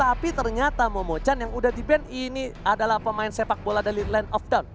tapi ternyata momochan yang udah di ban ini adalah pemain sepak bola dari land of down